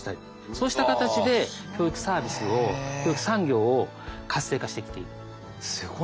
そうした形で教育サービスを教育産業を活性化してきている。